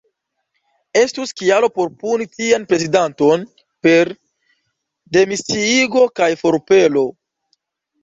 Estus kialo por puni tian prezidanton per demisiigo kaj forpelo.